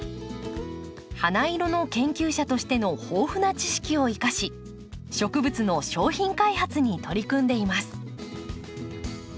花色の研究者としての豊富な知識を生かし植物の商品開発に取り組んでいます。